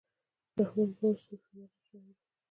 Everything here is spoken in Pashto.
رحمان بابا صوفیانه شاعر وو.